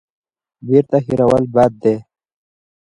بیرته هېرول بد دی.